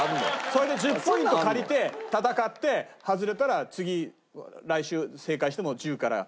それで１０ポイント借りて戦って外れたら次来週正解して１０から。